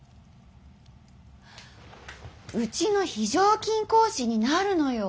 うちの非常勤講師になるのよ。